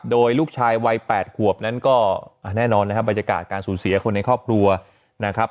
โดยลูกชายวัย๘ขวบนั้นก็แน่นอนนะครับบรรยากาศการสูญเสียคนในครอบครัวนะครับ